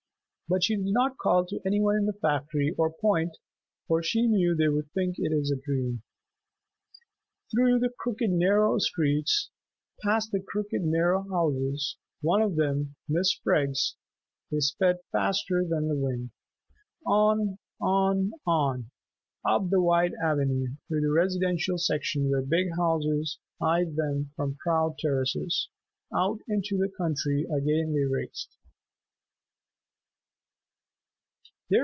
But she did not call to any one in the factory or point, for she knew they would think it a dream. Through the crooked narrow streets, past the crooked narrow houses, one of them Mrs. Freg's, they sped faster than the wind! On, on, on, up the wide avenue through the "residential section" where big houses eyed them from proud terraces, out into the country again they raced.